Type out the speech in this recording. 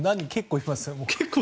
結構いますよ。